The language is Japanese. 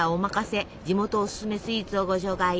地元おすすめスイーツをご紹介！